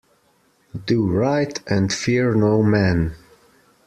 Do right and fear no man.